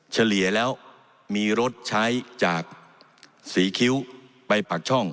เฉลี่ยแล้วมีรถใช้จากศรีคิ้วไปปากช่อง